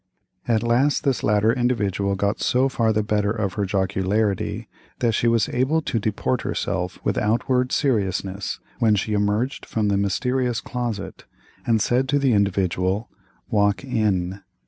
At last this latter individual got so far the better of her jocularity that she was able to deport herself with outward seriousness when she emerged from the mysterious closet, and said to the Individual, "Walk in."